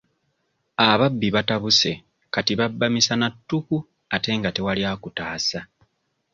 Ababbi batabuse kati babba misana ttuku ate nga tewali akutaasa.